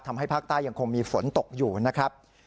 ทำให้ภาคใต้ยังคงมีฝนตกอยู่นะครับ